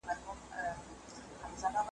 خپل جنون رسوا کمه، ځان راته لیلا کمه .